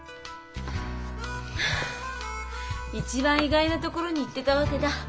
一番意外な所に行ってたわけだ。